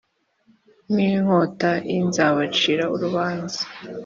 n inkota i Nzabacira urubanza